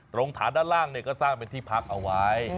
ตรงฐานด้านล่างก็สร้างเป็นที่พักเอาไว้